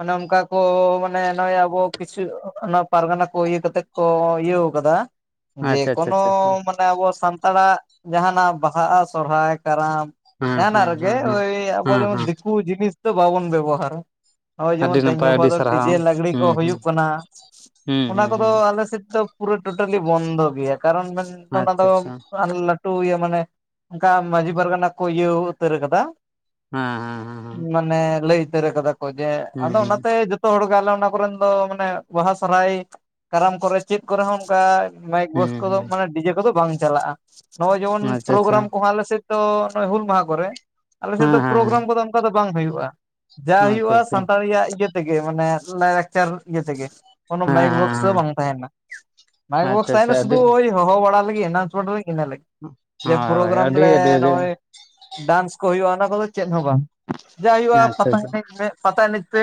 ᱚᱱᱮ ᱚᱱᱠᱟ ᱠᱚ ᱢᱟᱱᱮ ᱱᱚᱜᱼᱚᱭ ᱟᱵᱚ ᱠᱤᱪᱷᱩ ᱚᱱᱟ ᱯᱟᱨᱜᱟᱱᱟ ᱠᱚ ᱤᱭᱟᱹ ᱠᱟᱛᱮᱜ ᱠᱚ ᱤᱭᱟᱹᱣ ᱠᱟᱫᱟ ᱡᱮ ᱟᱪᱪᱷᱟ ᱟᱪᱪᱷᱟ ᱠᱚᱱᱚ ᱟᱪᱪᱷᱟ ᱢᱟᱱ ᱟᱵᱚ ᱥᱟᱱᱛᱟᱲᱟᱜ ᱡᱟᱸᱦᱟᱸᱱᱟᱜ ᱵᱟᱦᱟ, ᱥᱚᱨᱚᱦᱟᱭ, ᱠᱟᱨᱟᱢ, ᱦᱮᱸ ᱡᱟᱸᱦᱟᱸ ᱱᱟᱜ ᱦᱮᱸ ᱨᱮᱜᱮ ᱦᱮᱸ ᱦᱮᱸ ᱳᱭ ᱟᱵᱚ ᱦᱮᱸ ᱡᱮᱢᱚᱱ ᱦᱮᱸ ᱫᱤᱠᱩ ᱡᱤᱱᱤᱥ ᱫᱚ ᱵᱟᱵᱚᱱ ᱵᱮᱵᱚᱦᱟᱨᱟ᱾ ᱱᱚᱜᱼᱭ ᱟᱹᱰᱤ ᱡᱮᱢᱚᱱ ᱛᱮᱦᱮᱧ ᱱᱟᱯᱟᱭ ᱜᱟᱯᱟ ᱟᱹᱰᱤ ᱫᱚ ᱥᱟᱨᱦᱟᱣ ᱰᱤᱡᱮ ᱞᱟᱜᱽᱲᱤ ᱠᱚ ᱦᱩᱸ ᱦᱩᱸ ᱦᱩᱭᱩᱜ ᱠᱟᱱᱟ᱾ ᱦᱩᱸ ᱚᱱᱟ ᱦᱩᱸ ᱠᱚᱫᱚ ᱦᱩᱸ ᱟᱞᱮ ᱥᱮᱫ ᱫᱚ ᱯᱩᱨᱟᱹ ᱴᱳᱴᱟᱹᱞᱤ ᱵᱚᱱᱫᱚ ᱜᱮᱭᱟ, ᱠᱟᱨᱚᱱ ᱢᱮᱱ ᱚᱱᱟ ᱫᱚ ᱟᱪᱪᱷᱟ ᱟᱪᱪᱷᱟ ᱞᱟᱴᱩ ᱤᱭᱟᱹ ᱢᱟᱱᱮ ᱚᱱᱠᱟ ᱢᱟᱺᱡᱷᱤ ᱯᱟᱨᱜᱟᱱᱟ ᱠᱚ ᱤᱭᱟᱹᱣ ᱩᱛᱟᱹᱨ ᱟᱠᱟᱫᱟ, ᱦᱮᱸ ᱦᱮᱸ ᱦᱮᱸ ᱦᱮᱸ᱾ ᱢᱟᱱᱮ ᱞᱟᱹᱭ ᱩᱛᱟᱹᱨ ᱠᱟᱫᱟ ᱠᱚ ᱡᱮ ᱟᱫᱚ ᱦᱮᱸ ᱚᱱᱟᱛᱮ ᱡᱚ ᱛᱚ ᱦᱚᱲ ᱜᱮ ᱟᱞᱮ ᱚᱱᱟ ᱠᱚᱨᱮᱱ ᱫᱚ ᱢᱟᱱᱮ ᱵᱟᱦᱟ, ᱥᱚᱨᱚᱦᱟᱭ, ᱠᱟᱨᱟᱢ ᱠᱚᱨᱮ ᱪᱮᱫ ᱠᱚᱨᱮ ᱦᱚᱸ ᱚᱱᱠᱟ ᱢᱟᱭᱤᱠ ᱦᱮᱸ ᱦᱮᱸ ᱵᱚᱥ ᱦᱩᱸ ᱦᱩᱸ ᱠᱚᱫᱚ ᱦᱩᱸ ᱢᱟᱱᱮ ᱰᱤᱡᱮ ᱠᱚᱫᱚ ᱵᱟᱝ ᱪᱟᱞᱟᱜᱼᱟ᱾ ᱱᱚᱜᱼᱚᱭ ᱡᱮᱢᱚᱱ ᱦᱩᱸ ᱟᱪᱪᱷᱟ ᱟᱪᱪᱷᱟ ᱯᱨᱳᱜᱨᱟᱢ ᱠᱚ ᱟᱞᱮᱥᱮᱫ ᱫᱚ ᱱᱚᱜᱼᱚᱭ ᱦᱩᱞ ᱢᱟᱦᱟ ᱠᱚᱨᱮ ᱟᱞᱮᱥᱮᱫ ᱦᱮᱸ ᱫᱚ ᱦᱮᱸ ᱦᱮᱸ ᱯᱨᱳᱜᱨᱟᱢ ᱠᱚᱫᱚ ᱚᱱᱠᱟ ᱫᱚ ᱵᱟᱝ ᱦᱩᱭᱩᱜᱼᱟ᱾ ᱡᱟ ᱟᱪᱪᱷᱟ ᱦᱩᱭᱩᱜᱼᱟ, ᱟᱪᱪᱷᱟ ᱦᱮᱸ ᱥᱟᱱᱛᱟᱲᱤᱭᱟᱜ ᱤᱭᱟᱹ ᱛᱮᱜᱮ ᱢᱟᱱᱮ ᱞᱟᱭᱼᱞᱟᱠᱪᱟᱨ ᱤᱭᱟᱹ ᱛᱮᱜᱮ᱾ ᱠᱚᱱᱚ ᱢᱟᱭᱤᱠ ᱵᱚᱠᱥ ᱫᱚ ᱦᱮᱸ ᱵᱟᱝ ᱛᱟᱦᱮᱱᱟ ᱢᱟᱭᱤᱠ ᱵᱚᱠᱥ ᱟᱪᱪᱷᱟ ᱟᱪᱪᱷᱟ ᱛᱟᱦᱮᱱᱟ, ᱥᱩᱫᱩ ᱟᱹᱰᱤ ᱳᱭ ᱦᱚᱦᱚ ᱵᱟᱲᱟ ᱞᱟᱜᱤᱫ ᱮᱱᱟᱣᱩᱱᱥᱢᱮᱱᱴ ᱞᱟᱜᱤᱫ ᱤᱱᱟᱹ ᱡᱮ ᱦᱳᱭ ᱦᱳᱭ ᱯᱨᱳᱜᱨᱟᱢ ᱟᱹᱰᱤ ᱞᱮ ᱟᱹᱰᱤ ᱱᱚᱜᱼᱚᱭ ᱰᱟᱱᱥ ᱠᱚ ᱦᱩᱭᱩᱜᱼᱟ, ᱚᱱᱟ ᱠᱚᱫᱚ ᱪᱮᱫ ᱦᱚᱸ ᱵᱟᱝ ᱡᱟ ᱦᱩᱭᱩᱜᱼᱟ ᱟᱪᱪᱷᱟ ᱯᱟᱛᱟ ᱟᱪᱪᱷᱟ ᱮᱱᱮᱡ ᱢᱮ ᱯᱟᱛᱟ ᱮᱱᱮᱡ ᱯᱮ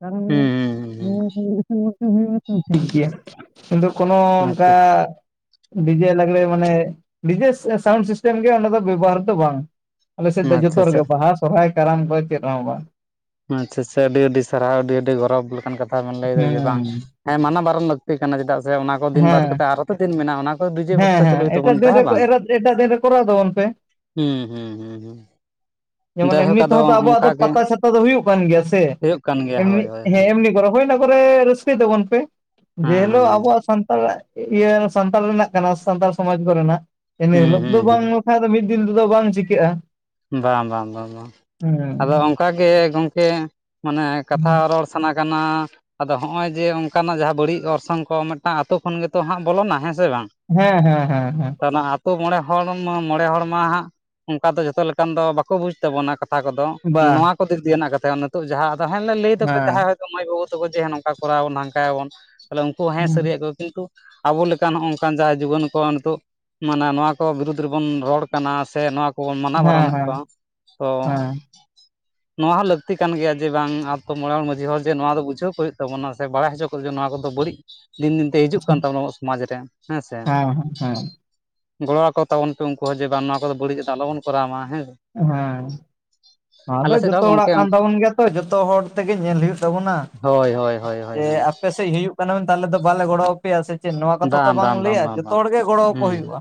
ᱛᱟᱨ ᱢᱟᱱᱮ ᱦᱩᱸ ᱦᱩᱸ ᱦᱩᱸ ᱦᱩᱸ. [unintelligible] ᱦᱩᱭ ᱴᱷᱤᱠ ᱜᱮᱭᱟ᱾ [inaudible] ᱠᱤᱱᱛᱩ ᱠᱚᱱᱚ ᱚᱱᱠᱟ ᱟᱪᱪᱷᱟ ᱟᱪᱪᱷᱟ ᱰᱤᱡᱮ ᱞᱟᱜᱽᱲᱮ ᱢᱟᱱᱮ, ᱰᱤᱡᱮ ᱥᱟᱣᱩᱱᱰ ᱥᱤᱥᱴᱮᱢ ᱜᱮ, ᱚᱸᱰᱮ ᱫᱚ ᱵᱮᱵᱚᱦᱟᱨ ᱫᱚ ᱵᱟᱝ ᱟᱞᱮᱥᱮᱫ ᱫᱚ ᱡᱚᱛᱚ ᱟᱪᱪᱷᱟ ᱨᱮᱜᱮ ᱵᱟᱦᱟ ᱥᱚᱨᱦᱟᱭ, ᱠᱟᱨᱟᱢ ᱠᱚ ᱪᱮᱫ ᱨᱮᱦᱚᱸ ᱵᱟᱝ᱾ ᱟᱪᱪᱷᱟ ᱟᱪᱪᱷᱟ ᱟᱹᱰᱤ ᱟᱹᱰᱤ ᱥᱟᱨᱦᱟᱣ ᱟᱹᱰᱤ ᱟᱹᱰᱤ ᱜᱚᱨᱚᱵᱽ ᱞᱮᱠᱟᱱ ᱠᱟᱛᱷᱟ ᱵᱮᱱ ᱞᱟᱹᱭᱫᱟ ᱡᱮ ᱵᱟᱝ ᱦᱮᱸ ᱢᱟᱱᱟ ᱵᱟᱨᱚᱱ ᱞᱟᱹᱠ ᱛᱤ ᱠᱟᱱᱟ ᱪᱮᱫᱟᱜ ᱥᱮ ᱚᱱᱟ ᱠᱚ ᱫᱤᱱ ᱵᱟᱫ ᱦᱮᱸ ᱠᱟᱛᱮᱫ ᱟᱨᱚ ᱛᱚ ᱫᱤᱱ ᱢᱮᱱᱟᱜᱼᱟ ᱚᱱᱟ ᱠᱚ ᱰᱤᱡᱮ ᱦᱮᱸ ᱵᱚᱠᱥᱚ ᱦᱮᱸ ᱪᱟᱹᱞᱩᱭ ᱮᱴᱟᱜ ᱛᱟᱵᱩᱱ ᱯᱮ ᱫᱤᱱ ᱦᱮᱸ ᱵᱟᱝ? ᱨᱮ ᱮᱴᱟᱜ ᱫᱤᱱ ᱨᱮ ᱠᱚᱨᱟᱣ ᱛᱟᱵᱚᱱ ᱯᱮ ᱦᱩᱸ ᱦᱩᱸ ᱦᱩᱸ ᱦᱩᱸ ᱦᱚᱭ ᱢᱟᱱᱮ ᱡᱟᱭᱦᱳᱠ ᱱᱤᱛ ᱟᱫᱚ ᱦᱚᱸᱛᱚ ᱟᱵᱚᱣᱟᱜ ᱫᱚ ᱚᱱᱠᱟ ᱜᱮ ᱯᱟᱛᱟ ᱪᱷᱟᱛᱟ ᱫᱚ ᱦᱩᱭᱩᱜ ᱠᱟᱱ ᱜᱮᱭᱟ ᱥᱮ᱾ ᱦᱩᱭᱩᱜ ᱠᱟᱱ ᱜᱮᱭᱟ ᱮᱢᱱᱤ ᱦᱳᱭ ᱦᱳᱭ ᱦᱮᱸ ᱦᱳᱭ. ᱮᱢᱱᱤ ᱜᱚᱨᱚ ᱦᱩᱭᱮᱱᱟ ᱯᱩᱨᱟᱹ ᱨᱟᱹᱥᱠᱟᱹᱭ ᱛᱟᱵᱚᱱ ᱯᱮ, ᱦᱮᱸ ᱡᱮ ᱦᱮᱞᱳᱜ ᱦᱮᱸ ᱦᱮᱸ ᱟᱵᱚᱣᱟᱜ ᱥᱟᱱᱛᱟᱲᱟᱜ ᱤᱭᱟᱹ ᱥᱟᱱᱛᱟᱲ ᱨᱮᱱᱟᱜ ᱚᱱᱟ ᱥᱟᱱᱛᱟᱲ ᱥᱚᱢᱟᱡᱽᱵᱮ ᱨᱮᱱᱟᱜ, ᱤᱱᱟᱹ ᱦᱩᱸ ᱦᱤᱞᱳᱜ ᱫᱚ ᱵᱟᱝ ᱦᱩᱸ [unintelligible] ᱢᱤᱫ ᱫᱤᱱ ᱛᱮᱫᱚ ᱵᱟᱝ ᱪᱤᱠᱟᱹᱜᱼᱟ! ᱵᱟᱝ ᱵᱟᱝ ᱵᱟᱝ ᱵᱟᱝ! ᱟᱫᱚ ᱦᱮᱸ ᱚᱸᱠᱟᱜᱮ ᱜᱚᱝᱠᱮ ᱢᱟᱱᱮ ᱠᱟᱛᱷᱟ ᱨᱚᱲ ᱥᱟᱱᱟ ᱠᱟᱱᱟ ᱟᱫᱚ ᱦᱚᱸᱜᱼᱚᱭ ᱡᱮ ᱚᱸᱠᱟᱢᱟ ᱡᱟᱸᱦᱟᱸ ᱵᱟᱹᱲᱤᱡ ᱚᱨᱥᱚᱝ ᱠᱚ ᱢᱮᱫᱴᱟᱝ ᱟᱛᱳ ᱠᱷᱚᱱ ᱜᱮᱛᱚ ᱦᱟᱸᱜ ᱵᱚᱞᱚᱱᱟ ᱦᱮᱸ ᱥᱮ ᱵᱟᱝ? ᱦᱮᱸ ᱦᱮᱸ ᱦᱮᱸ ᱦᱮᱸ ᱦᱮᱸ! ᱟᱱᱳᱣᱟ ᱟᱛᱳ ᱢᱚᱬᱮ ᱦᱚᱲᱻᱢᱟ ᱢᱚᱬᱮ ᱦᱚᱲ ᱢᱟ ᱦᱟᱸᱜ ᱚᱸᱠᱟ ᱫᱚ ᱡᱚᱛᱚ ᱞᱮᱠᱟᱱ ᱫᱚ ᱵᱟᱠᱚ ᱵᱩᱡᱽ ᱛᱟᱵᱚᱱᱟ ᱠᱟᱛ- ᱛᱟ ᱠᱚᱫᱚ, ᱵᱟ ᱱᱚᱣᱟ ᱠᱟᱛᱤᱨ ᱜᱮ ᱚᱱᱟ ᱠᱟᱛᱮ ᱱᱤᱛᱚᱜ ᱡᱟᱸᱦᱟ ᱟᱫᱚ ᱛᱟᱦᱮᱸᱱ ᱞᱟᱹᱭ ᱫᱚᱠᱚ ᱦᱮᱸ ᱡᱟᱸᱦᱟᱸᱭ ᱢᱟᱹᱭ ᱵᱟᱹᱵᱩ ᱛᱟᱠᱩ ᱡᱮ ᱱᱚᱝᱠᱟ ᱠᱚᱨᱟᱣ ᱵᱚᱱ ᱱᱷᱟᱝᱠᱟᱭᱟᱵᱚᱱ ᱛᱟᱦᱚᱞᱮ ᱩᱱᱠᱩ ᱦᱮᱸ ᱥᱟᱨᱤᱭᱟᱜ ᱠᱚ ᱜᱮᱠᱚ ᱟᱵᱚ ᱞᱮᱠᱟ ᱱᱚᱜᱼᱚᱸᱠᱟᱱ ᱡᱟᱭ ᱡᱩᱣᱟᱹᱱ ᱠᱚᱣᱟᱜ ᱱᱤᱛᱚᱜ ᱢᱟᱱᱮ ᱱᱚᱣᱟ ᱠᱚ ᱵᱤᱨᱩᱫᱽ ᱨᱮᱵᱚᱱ ᱨᱚᱲ ᱠᱟᱱᱟ ᱥᱮ ᱱᱚᱣᱟᱠ- ᱠᱚ ᱢᱟᱱᱟ ᱦᱮᱸ ᱵᱟᱨᱚᱱᱮᱫ ᱠᱚᱣᱟ ᱦᱮᱸ ᱛᱚᱻ ᱱᱚᱣᱟ ᱦᱚᱸ ᱞᱟᱹᱠᱛᱤ ᱠᱟᱱ ᱜᱮᱭᱟ ᱡᱮ ᱵᱟᱝ ᱟᱯᱠᱳ ᱢᱟᱨᱟᱝ ᱢᱟᱺᱡᱷᱤ ᱦᱚᱲ ᱡᱮ ᱱᱚᱣᱟ ᱫᱚ ᱵᱩᱡᱷᱟᱹᱣ ᱠᱚ ᱦᱩᱭᱩᱜ ᱛᱟᱵᱚᱱᱟ ᱥᱮ ᱵᱟᱲᱟᱭ ᱦᱚᱪᱚ ᱠᱚᱜᱮ ᱱᱚᱣᱟ ᱠᱚᱫᱚ ᱵᱟᱹᱲᱤᱡ ᱫᱤᱱ ᱫᱤᱱᱛᱮ ᱦᱤᱡᱩᱜ ᱠᱟᱱ ᱛᱟᱵᱚᱱᱟ ᱟᱵᱚᱣᱟᱜ ᱥᱚᱢᱟᱡ ᱨᱮ ᱦᱮᱸᱥᱮ! ᱦᱮᱸ ᱜᱚᱲᱚ ᱟᱠᱚ ᱛᱟᱵᱚᱱ ᱯᱮ ᱩᱱᱠᱩ ᱦᱚᱸ ᱡᱮ ᱵᱟᱝ ᱱᱚᱣᱟ ᱠᱚᱫᱚ ᱵᱟᱹᱲᱤᱡᱟᱜ ᱫᱚ ᱟᱞᱚᱵᱚᱱ ᱠᱚᱨᱟᱣ ᱢᱟ ᱦᱮᱸᱥᱮ᱾ [unintelligible] ᱱᱳᱣᱟᱫᱚ ᱥᱮᱫ ᱦᱚᱸ ᱡᱚᱛᱚ ᱦᱚᱲᱟᱜ ᱜᱚᱝᱠᱮ ᱠᱟᱱ ᱛᱟᱵᱚᱱ ᱜᱮᱭᱟ ᱛᱚ, ᱡᱚᱛᱚ ᱦᱚᱲ ᱛᱮᱜᱮ ᱧᱮᱞ ᱦᱩᱭᱩᱜ ᱛᱟᱵᱚᱱᱟ, ᱦᱳᱭ ᱦᱳᱭ ᱦᱳᱭ ᱦᱳᱭ ᱡᱮ ᱦᱳᱭ ᱟᱯᱮ ᱥᱮᱫ ᱦᱩᱭᱩᱜ ᱢᱮᱱᱛᱮ ᱟᱞᱮ ᱫᱚ ᱵᱟᱞᱮ ᱜᱚᱲᱚᱣᱟᱯᱮᱭᱟ ᱥᱮ ᱪᱮᱫ ᱱᱚᱣᱟ ᱠᱟᱛᱷᱟ ᱛᱚ ᱵᱟᱝ ᱞᱟᱹᱭᱟ, ᱡᱚᱛᱚ ᱦᱚᱲᱜᱮ ᱜᱚᱲᱚᱣᱟᱠᱚ ᱦᱩᱸ ᱦᱩᱭᱩᱜᱼᱟ᱾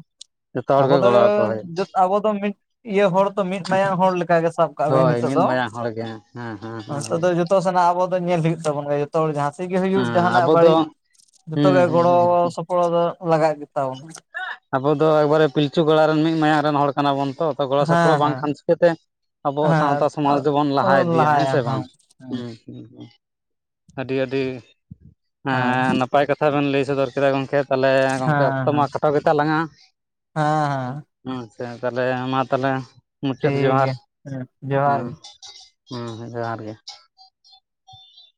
ᱡᱚᱛᱚ ᱦᱚᱲ ᱟᱵᱚ ᱜᱮ ᱜᱚᱲᱚᱣᱟᱠᱚ ᱦᱩᱭᱩᱜ ᱫᱚᱻᱡᱚᱛ ᱟᱵᱚ ᱫᱚ ᱢᱤᱫ ᱤᱭᱟᱹ ᱦᱚᱲ ᱛᱚ ᱢᱤᱫ ᱢᱟᱭᱟ ᱦᱚᱲ ᱞᱮᱠᱟ ᱜᱮ ᱥᱟᱵ ᱠᱟᱜ ᱵᱮᱱ ᱦᱳᱭ ᱱᱤᱛᱚᱜ ᱢᱤᱫ ᱫᱚ ᱢᱟᱭᱟᱝ ᱦᱚᱲ ᱜᱮ ᱦᱩᱸ ᱦᱩᱸᱦᱩ ᱱᱤᱛᱚᱜ ᱦᱩᱸ ᱫᱚ ᱾ ᱡᱚᱛᱚ ᱥᱮᱱᱟᱜ ᱟᱵᱚ ᱫᱚ ᱧᱮᱞ ᱦᱩᱭᱩᱜ ᱛᱟᱵᱚᱱ ᱜᱮ ᱡᱚᱛ- ᱛᱚᱞ ᱡᱟᱦᱟᱸᱥᱮᱫ ᱜᱮ ᱦᱩᱭᱩᱜ ᱡᱟᱦᱟᱸᱱᱟᱜ ᱟᱵᱚ ᱫᱚ ᱵᱟᱹᱲᱤᱡ, ᱡᱚᱛᱚ ᱦᱩᱸ ᱜᱮ ᱦᱩᱸ ᱦᱩᱸ ᱜᱚᱲᱚᱻ ᱥᱚᱯ- ᱯᱚᱫᱚᱜ ᱞᱟᱜᱟᱜ ᱜᱮ ᱛᱟᱵᱚᱱᱟ᱾ ᱟᱵᱚ ᱫᱚ ᱮᱠᱵᱟᱨᱮ ᱯᱤᱞᱪᱩ ᱜᱚᱲᱟ ᱨᱮᱱ ᱢᱤᱫ ᱢᱟᱭᱟᱝ ᱨᱮᱱ ᱦᱚᱲ ᱠᱟᱱᱟ ᱵᱚᱱ ᱛᱚ, ᱜᱚᱲᱚ ᱥᱚᱯᱚᱲᱚᱜ ᱦᱮᱸ ᱵᱟᱝ ᱦᱮᱸ ᱠᱷᱟᱱ ᱪᱤᱠᱟᱹᱛᱮ ᱟᱵᱚᱣᱟᱜ ᱥᱟᱶᱛᱟ ᱥᱚᱢᱟᱡᱽ ᱫᱚᱵᱚᱱ ᱞᱟᱦᱟ ᱤᱫᱤᱭᱟ ᱦᱮᱸ ᱥᱮ ᱵᱟᱝᱼᱟ? ᱦᱩᱸ! [unintelligible] ᱟᱹᱰᱤ ᱟᱹᱰᱤ ᱦᱮᱸ ᱱᱟᱯᱟᱭ ᱠᱟᱛ- ᱷᱟ ᱵᱮᱱ ᱞᱟᱹᱭ ᱥᱚᱫᱚᱨ ᱠᱮᱫᱟ ᱜᱚᱢᱠᱮ ᱛᱟᱦᱚᱞᱮ ᱜᱚᱢᱠᱮ ᱦᱮᱸ ᱚᱠᱛᱚ ᱢᱟ ᱦᱮᱸ ᱠᱷᱟᱴᱚ ᱜᱮᱛᱟ ᱞᱟᱝᱼᱟ, ᱦᱮᱸ ᱦᱮᱸ᱾ ᱟᱪᱷᱟ ᱛᱟᱦᱮᱞᱮ ᱢᱟ ᱛᱟᱦᱮᱞᱮ ᱢᱩᱪᱟᱹᱫ ᱴᱷᱤᱠ ᱡᱚᱦᱟᱨ! ᱜᱮᱭᱟ ᱦᱮᱸ ᱡᱚᱦᱟᱨ ᱜᱮ ᱦᱩᱸ᱾ ᱦᱩᱸ ᱦᱩᱸᱡᱚᱦᱟᱨ ᱜᱮ ᱾